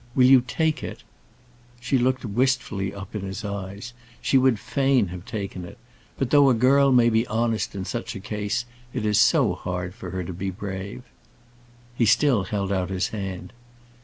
Will you take it?" She looked wistfully up in his eyes; she would fain have taken it. But though a girl may be honest in such a case, it is so hard for her to be brave. He still held out his hand.